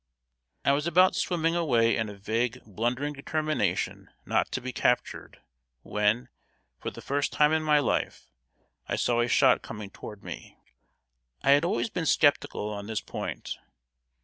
] I was about swimming away in a vague, blundering determination not to be captured, when, for the first time in my life, I saw a shot coming toward me. I had always been sceptical on this point.